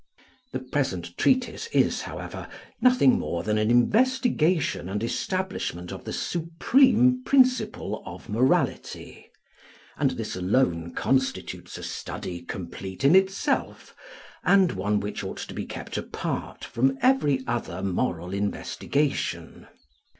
The present treatise is, however, nothing more than the investigation and establishment of the supreme principle of morality, and this alone constitutes a study complete in itself and one which ought to be kept apart from every other moral investigation.